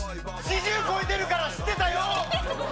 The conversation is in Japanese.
四十超えてるから知ってたよ！